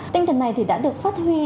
tinh thần này thì đã được phát huy